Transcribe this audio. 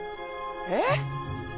えっ？